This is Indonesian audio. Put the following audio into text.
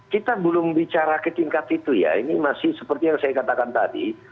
kita belum bicara ke tingkat itu ya ini masih seperti yang saya katakan tadi